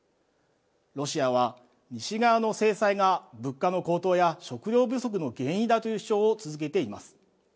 ロシアは西側の制裁が物価の高騰や食料不足の原因だという主張を続けています。